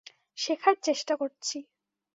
শেখার চেষ্টা করছি।